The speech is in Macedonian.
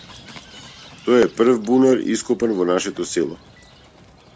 Тоа е прв бунар ископан во нашето село.